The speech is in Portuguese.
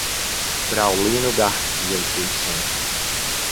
Braulino Garcias dos Santos